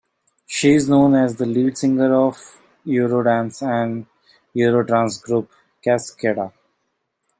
She is known as the lead singer of Eurodance and Eurotrance group Cascada.